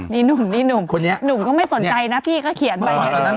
นุ่มนี่นุ่มนุ่มก็ไม่สนใจนะพี่ก็เขียนแบบนี้